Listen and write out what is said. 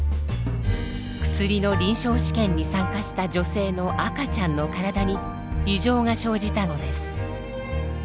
薬の臨床試験に参加した女性の赤ちゃんの体に異常が生じたのです。